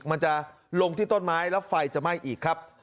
มันจะลงที่ต้นไม้แล้วไฟจะไหม้อีกครับ